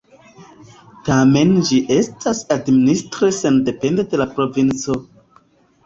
Tamen ĝi estas administre sendepende de la provinco.